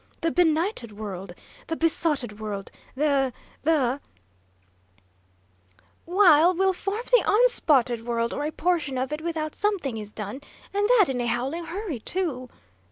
The benighted world! The besotted world! The the " "While we'll form the upsotted world, or a portion of it, without something is done, and that in a howling hurry, too!"